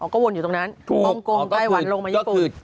ก็วนอยู่ตรงนั้นฮ่องกงไต้หวันลงมาญี่ปุ่น